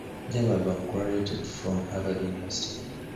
Javerbaum graduated from Harvard University.